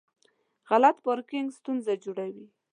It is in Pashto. غلط پارکینګ ستونزه جوړوي.